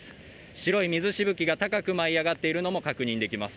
白い水しぶきが高く舞い上がっているのも確認できます。